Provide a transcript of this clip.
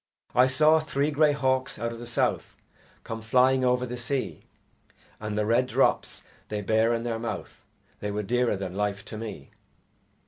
I saw three grey hawks out of the South Come flying over the sea, And the red drops they bare in their mouth They were dearer than life to me.